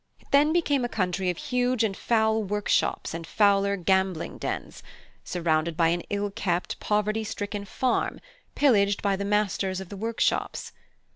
It then became a country of huge and foul workshops and fouler gambling dens, surrounded by an ill kept, poverty stricken farm, pillaged by the masters of the workshops.